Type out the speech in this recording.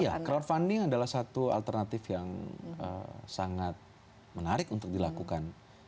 ya crowdfunding adalah satu alternatif yang sangat menarik untuk dilakukan